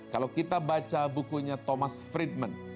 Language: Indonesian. kalau kita baca bukunya thomas freement